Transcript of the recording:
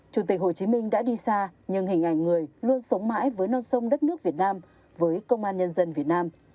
chủ tịch hồ chí minh đã đi xa nhưng hình ảnh người luôn sống mãi với non sông đất nước việt nam với công an nhân dân việt nam